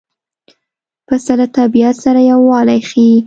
پسه له طبیعت سره یووالی ښيي.